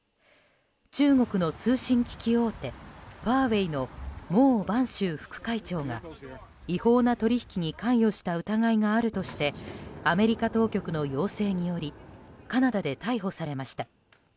中国の通信機器大手ファーウェイのモウ・バンシュウ副会長が違法な取引に関与した疑いがあるとしてアメリカ当局の要請によりカナダで逮捕されました。